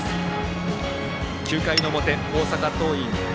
９回の表、大阪桐蔭。